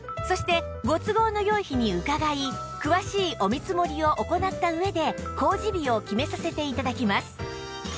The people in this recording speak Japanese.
そしてご都合の良い日に伺い詳しいお見積もりを行った上で工事日を決めさせて頂きます